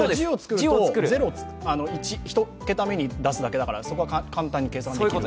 １０を作ると、１桁目に出すだけだからそこは簡単に計算できる。